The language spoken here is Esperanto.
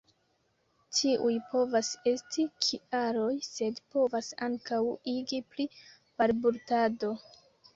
Tiuj povas esti kialoj, sed povas ankaŭ igi pri balbutado.